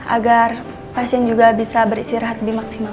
agar pasien juga bisa beristirahat lebih maksimal